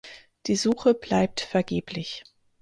Die Suche bleibt vergeblich.